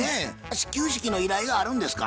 始球式の依頼があるんですか？